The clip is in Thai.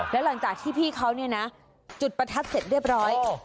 แล้วหลังจากที่พี่เขาเนี่ยนะจุดประทัดเสร็จเรียบร้อย